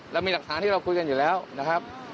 เรามีหลักฐานที่เราคุยกันอยู่แล้วนะครับ